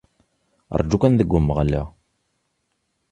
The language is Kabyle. Rǧu kan deg Umeɣlal!